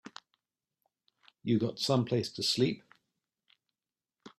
You got someplace to sleep?